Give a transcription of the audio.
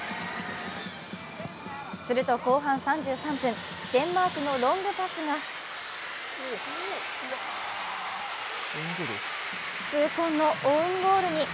すると後半３３分、デンマークのロングパスが痛恨のオウンゴールに。